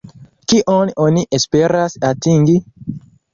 Kion oni esperas atingi?